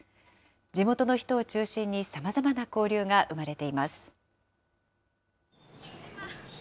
地元の人を中心にさまざまな交流が生まれています。